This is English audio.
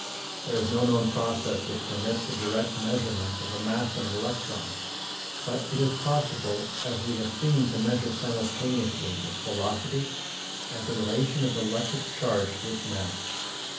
There is no known process which permits the direct measurement of the mass of an electron, but it is possible, as we have seen, to measure simultaneously its velocity and the relation of the electric charge to its mass.